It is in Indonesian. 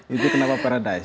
itu kenapa paradise